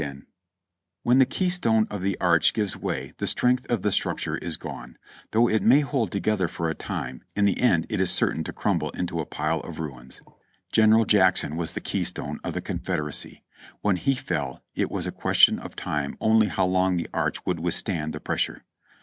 24 3/0 JOHNNY REB AND BILIyY YANK When the keystone of the arch gives way the strength of the structure is gone ; though it may hold together for a time, in the end it is certain to crumble into a pile of ruins. General Jackson was the keystone of the Confederacy; when he fell it was a question of time only how long the arch would withstand the pressure.